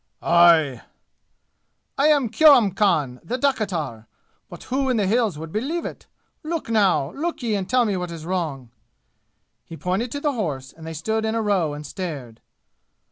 "Aye!" "I am Kurram Khan, the dakitar, but who in the 'Hills' would believe it? Look now look ye and tell me what is wrong?" He pointed to the horse, and they stood in a row and stared.